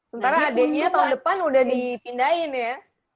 sementara adeknya tahun depan udah dipindahin ya